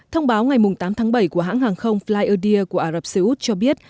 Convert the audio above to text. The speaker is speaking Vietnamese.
thông báo ngày tám tháng bảy của hãng hàng không flyardia của ả rập xê út cho biết